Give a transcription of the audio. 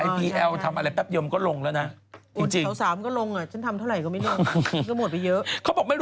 ผมค่ะ